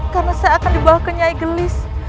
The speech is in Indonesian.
karena saya akan dibawa ke nyai gelis